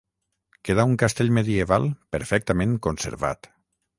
Queda un castell medieval perfectament conservat.